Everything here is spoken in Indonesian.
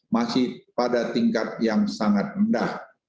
masih pada tingkat yang sangat rendah